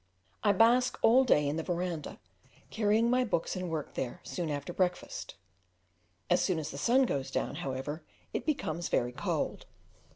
I bask all day in the verandah, carrying my books and work there soon after breakfast; as soon as the sun goes down, however, it becomes very cold.